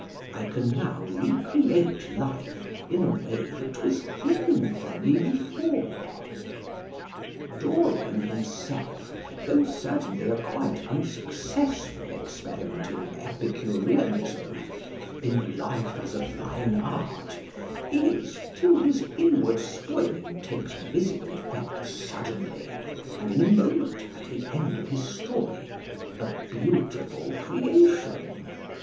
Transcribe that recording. I can now recreate life in a way that was hidden from me before." Dorian himself, though certainly a quite unsuccessful experiment in Epicureanism, in life as a fine art, is (till his inward spoiling takes visible effect suddenly, and in a moment, at the end of his story) a beautiful creation.